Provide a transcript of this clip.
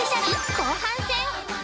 後半戦。